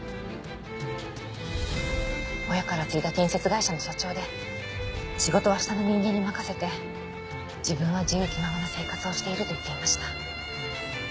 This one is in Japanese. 親から継いだ建設会社の社長で仕事は下の人間に任せて自分は自由気ままな生活をしていると言っていました。